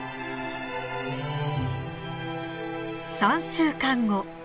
３週間後。